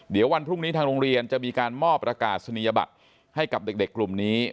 เดี๋ยววันพรุ่งนี้ทางโรงเรียนจะมีการมอบประกาศนียบัตรให้กับเด็กกลุ่มนี้